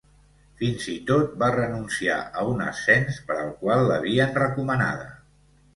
Fins i tot va renunciar a un ascens per al qual l'havien recomanada.